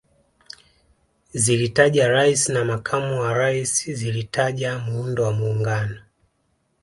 Zilitaja Rais na Makamu wa Rais zilitaja Muundo wa Muungano